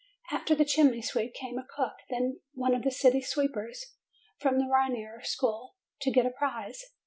After the chimney sweep came a cook; then came one of the city sweepers, from the Raineri School, to get a prize.